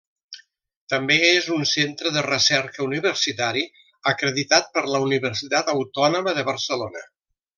També és un centre de recerca universitari acreditat per la Universitat Autònoma de Barcelona.